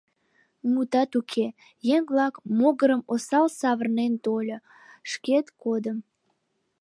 Мутат уке, еҥ-влак могырым осал савырнен тольо – шкет кодым.